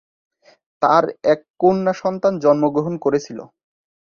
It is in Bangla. তার এক কন্যা সন্তান জন্মগ্রহণ করেছিল।